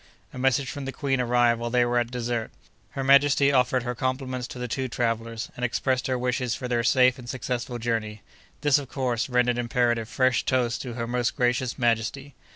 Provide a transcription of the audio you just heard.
A message from the Queen arrived while they were at dessert. Her Majesty offered her compliments to the two travellers, and expressed her wishes for their safe and successful journey. This, of course, rendered imperative fresh toasts to "Her most gracious Majesty."